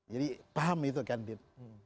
jadi paham itu kan did